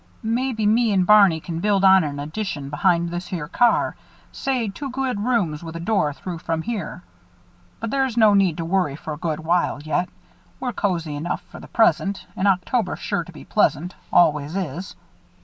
Maybe me and Barney can build on an addition behind this here car say two good rooms with a door through from here. But there's no need to worry for a good while yet. We're cozy enough for the present and October's sure to be pleasant allus is.